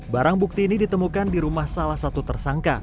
barang bukti ini ditemukan di rumah salah satu tersangka